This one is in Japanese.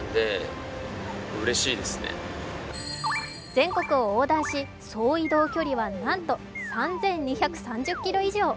全国を横断し、総移動距離はなんと３２３０ｋｍ以上。